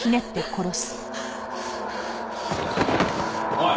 おい。